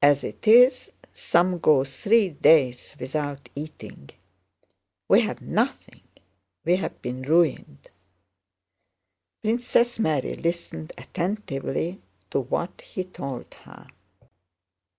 As it is, some go three days without eating. We've nothing, we've been ruined." Princess Mary listened attentively to what he told her.